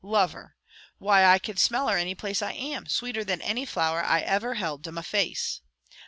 Love her! Why, I can smell her any place I am, sweeter than any flower I ever held to my face.